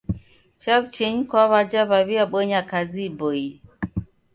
Chaw'uchenyi kwa w'aja w'aw'iabonya kazi iboie.